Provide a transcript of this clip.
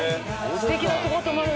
すてきなとこ泊まる。